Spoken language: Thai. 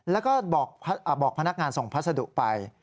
แล้วก็บอกพนักงานส่งพัสดุไป